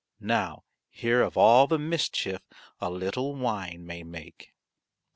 Now hear of all the mischief a little wine may make.